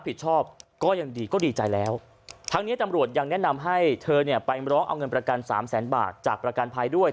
เธอไปร้องเอาเงินประกัน๓แสนบาทจากประกันภัยด้วย